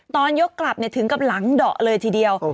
ตอนยกกลับถึงกับหลังดอกเลยทีเดียว